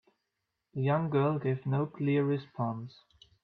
The young girl gave no clear response.